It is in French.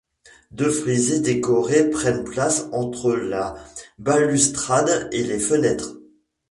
Deux frisées décorées prennent place entre la balustrade et les fenêtres.